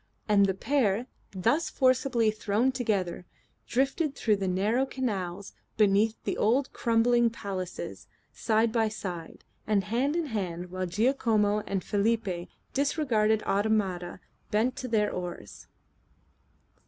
And the pair, thus forcibly thrown together, drifted through the narrow canals beneath the old crumbling palaces, side by side, and hand in hand while Giacomo and Felipe, disregarded automata, bent to their oars.